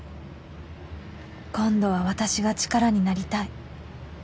「今度は私が力になりたい」